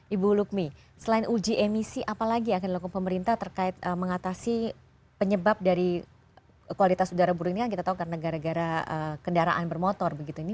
ibu lukmi selain uji emisi apalagi yang akan dilakukan pemerintah terkait mengatasi penyebab dari kualitas udara buruk ini kan kita tahu karena gara gara kendaraan bermotor begitu ini